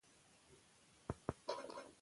ملالۍ خپل نوم لیکلی دی.